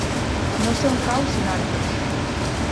No sé on cau Sinarques.